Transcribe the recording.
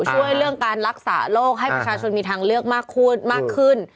ช่วยเรื่องการรักษาโรคให้ประชาชนมีทางเลือกมากขึ้นมากขึ้น